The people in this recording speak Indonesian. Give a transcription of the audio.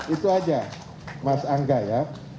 itu aja mas angga ya